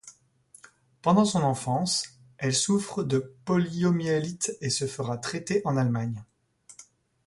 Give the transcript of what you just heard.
Pendant son enfance, elle souffre de poliomyélite et se fera traiter en Allemagne.